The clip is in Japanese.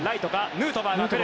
ヌートバーがとる。